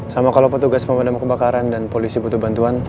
sama kalau petugas pemadam kebakaran dan polisi butuh bantuan